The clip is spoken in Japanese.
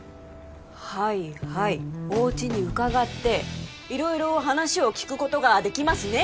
はいはいおうちに伺って色々話を聞くことができますね！